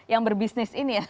yang berbisnis ini ya